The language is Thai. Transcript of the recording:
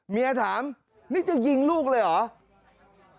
เมียถามนี่จะยิงลูกเลยเหรอ